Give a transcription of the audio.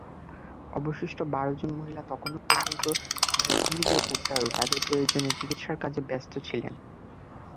অবশিষ্ট বারজন মহিলা তখনও পর্যন্ত জখমিদের উদ্ধার এবং তাদের প্রয়োজনীয় চিকিৎসার কাজে ব্যস্ত ছিলেন।